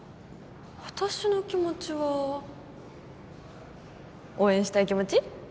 私の気持ちは応援したい気持ち？